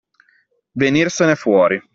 Venirsene fuori.